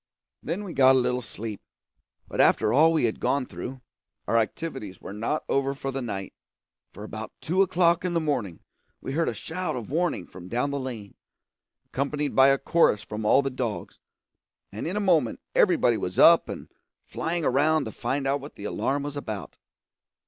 Then we got a little sleep. But after all we had gone through, our activities were not over for the night; for about two o'clock in the morning we heard a shout of warning from down the lane, accompanied by a chorus from all the dogs, and in a moment everybody was up and flying around to find out what the alarm was about.